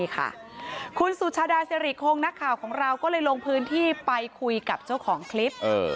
คุณสุชาดาสิริคงนักข่าวของเราก็เลยลงพื้นที่ไปคุยกับเจ้าของคลิป